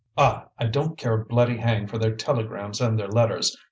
"Ah! I don't care a bloody hang for their telegrams and their letters!